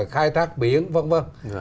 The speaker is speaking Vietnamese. khai thác biển v v